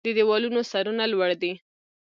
د دیوالونو سرونه لوړ دی